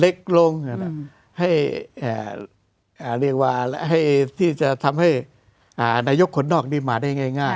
เล็กลงอืมให้อ่าเรียกว่าให้ที่จะทำให้อ่านายกขนนอกนี่มาได้ง่ายง่าย